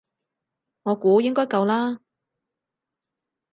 我估應該夠啦